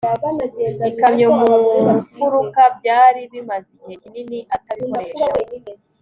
ikamyo mu mfuruka. byari bimaze igihe kinini atabikoresha